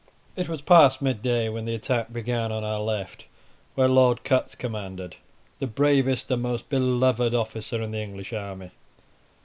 It was past mid day when the attack began on our left, where Lord Cutts commanded, the bravest and most beloved officer in the English army.